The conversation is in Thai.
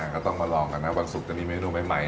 ก็ต้องมาลองกันนะวันศุกร์จะมีเมนูใหม่